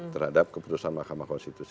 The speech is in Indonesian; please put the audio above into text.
terhadap keputusan mahkamah konstitusi